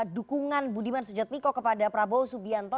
dukungan budiman sujatmiko kepada prabowo subianto